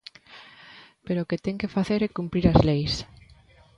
¡Pero o que ten que facer é cumprir as leis!